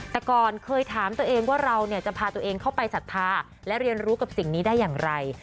แต่ก่อนเคยถามตัวเองว่าเราจะพาตัวเองเข้าไปศรัทธาและเรียนรู้กับสิ่งนี้ได้อย่างไร